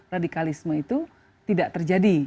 radikalisme itu tidak terjadi